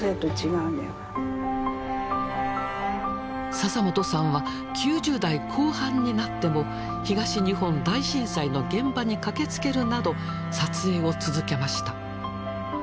笹本さんは９０代後半になっても東日本大震災の現場に駆けつけるなど撮影を続けました。